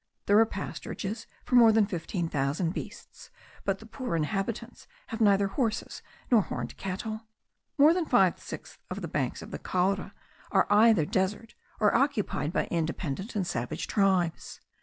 There are pasturages for more than 15,000 beasts; but the poor inhabitants have neither horses nor horned cattle. More than five sixths of the banks of the Caura are either desert, or occupied by independent and savage tribes.